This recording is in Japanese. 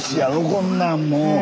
こんなんもう。